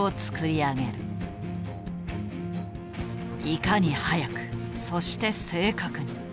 いかに速くそして正確に。